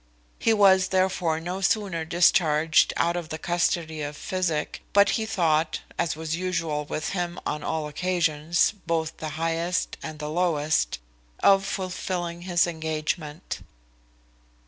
He was therefore no sooner discharged out of the custody of physic, but he thought (as was usual with him on all occasions, both the highest and the lowest) of fulfilling his engagement.